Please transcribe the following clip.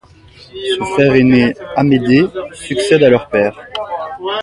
Son frère aîné, Amédée, succède à leur père.